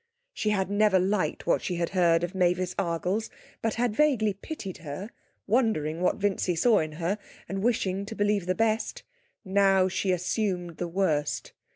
She had never liked what she had heard of Mavis Argles, but had vaguely pitied her, wondering what Vincy saw in her, and wishing to believe the best. Now, she assumed the worst!